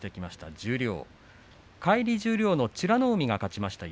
十両返り十両の美ノ海が勝ちました。